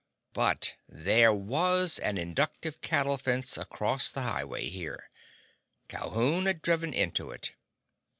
But there was an inductive cattle fence across the highway here. Calhoun had driven into it.